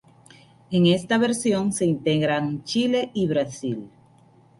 En esta versión se integran Chile y Brasil.